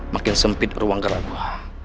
makin sempit ruang gerak gue